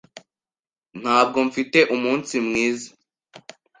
Ntabwo mfite umunsi mwiza.